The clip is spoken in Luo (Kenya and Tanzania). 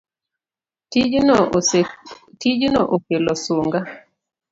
Tijno okelo sunga